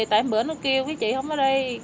tại hôm bữa nó kêu cái chị không ở đây